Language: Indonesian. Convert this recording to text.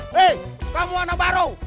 hei kamu anak baru